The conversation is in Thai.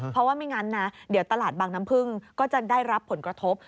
เพราะว่าไม่งั้นนะเดี๋ยวตลาดบางน้ำพึ่งก็จะได้รับผลกระทบ